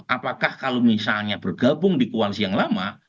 apakah kalau misalnya bergabung di koalisi yang lama